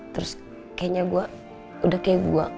terus kayaknya gue udah kayak gua